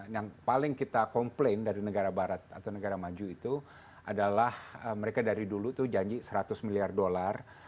yang paling kita komplain dari negara barat atau negara maju itu adalah mereka dari dulu itu janji seratus miliar dolar